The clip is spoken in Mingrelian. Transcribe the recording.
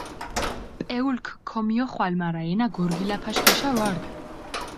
პეულქ ქომიოხვალჷ, მარა ენა გორგილაფაშ გეშა ვარდჷ.